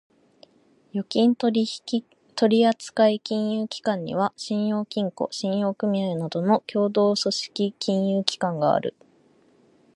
預金取扱金融機関には、信用金庫、信用組合などの協同組織金融機関がある。